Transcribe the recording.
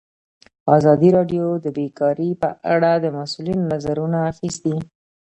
ازادي راډیو د بیکاري په اړه د مسؤلینو نظرونه اخیستي.